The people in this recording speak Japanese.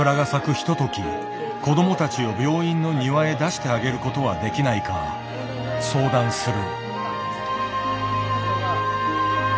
ひととき子どもたちを病院の庭へ出してあげることはできないか相談する。